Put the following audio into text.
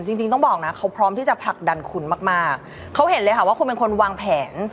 จริงจริงต้องบอกนะเขาพร้อมที่จะผลักดันคุณมากมากเขาเห็นเลยค่ะว่าคุณเป็นคนวางแผน